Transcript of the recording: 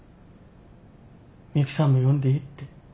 ミユキさんも呼んでいいって。